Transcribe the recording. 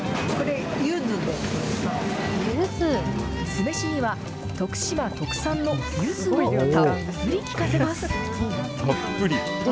酢飯には徳島特産のゆずをたっぷり効かせます。